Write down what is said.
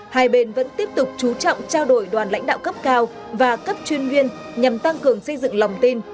hai bên vẫn tiếp tục chú trọng trao đổi đoàn lãnh đạo cấp cao và cấp chuyên viên nhằm tăng cường xây dựng lòng tin